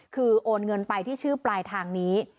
คือโอนเงินไปที่ชื่อปลายทางนี้